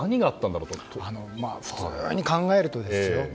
普通に考えるとですよ。